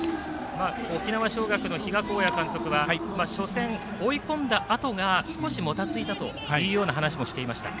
沖縄尚学の比嘉公也監督は初戦、追い込んだあとが少しもたついたという話もしていました。